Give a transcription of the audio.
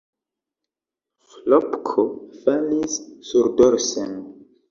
Ĥlopko falis surdorsen.